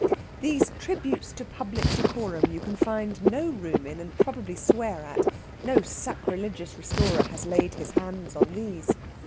these tributes to public decorum you can find no room in, and probably swear at no sacrilegious restorer has laid his hand on these.